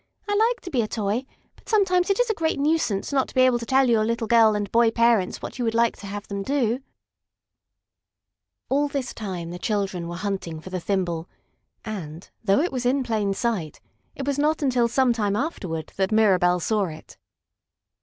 I like to be a toy, but sometimes it is a great nuisance not to be able to tell your little girl and boy parents what you would like to have them do." All this time the children were hunting for the thimble, and, though it was in plain sight, it was not until some time afterward that Mirabell saw it.